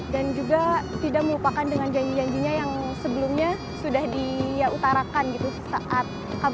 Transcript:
dan tetap amanah dalam menjalankan tugas